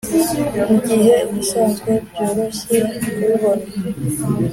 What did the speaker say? mugihe ibisanzwe byoroshye kubibona,